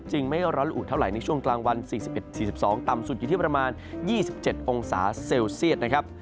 ไม่ร้อนละอุเท่าไหในช่วงกลางวัน๔๑๔๒ต่ำสุดอยู่ที่ประมาณ๒๗องศาเซลเซียตนะครับ